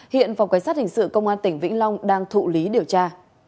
hiện phòng cảnh sát hình sự công an tỉnh vĩnh long đang thụ lý điều tra